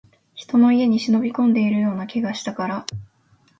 人の家に忍び込んでいるような気がしたから